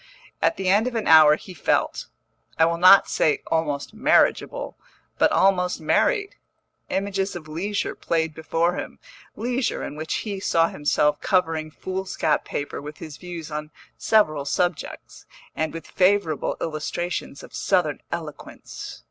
At the end of an hour he felt, I will not say almost marriageable, but almost married. Images of leisure played before him, leisure in which he saw himself covering foolscap paper with his views on several subjects, and with favourable illustrations of Southern eloquence.